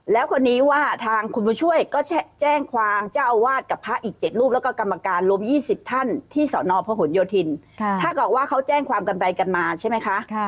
แล้วคนนี้ว่าทางคุณบุญช่วยก็แจ้งความเจ้าอาวาสกับพระอีก๗รูปแล้วก็กรรมการรวม๒๐ท่านที่สอนอพหนโยธินถ้าเกิดว่าเขาแจ้งความกันไปกันมาใช่ไหมคะ